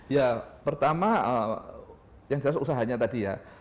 ya pertama yang jelas usahanya tadi ya